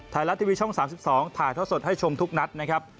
ไทยรัฐทีวีช่อง๓๒ถ่ายท่อสดให้ชมทุกนัดนะครับ